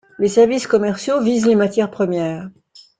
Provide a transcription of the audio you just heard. Les services commerciaux visent les matières premières.